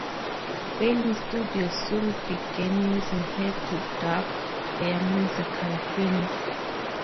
Film studios soon began using her to dub their musical films.